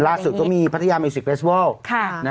ล่าสุดก็มีพัทยามิซิกเฟสเวิล